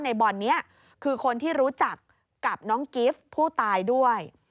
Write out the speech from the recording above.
ในบอลนี้คือคนที่รู้จักกับน้องกิฟต์ผู้ตายด้วย